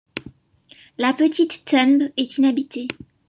La petite Tunb est inhabitée.